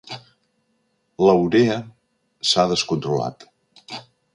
La urea s'ha descontrolat.